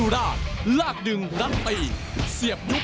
๙๑รุ่งโรศ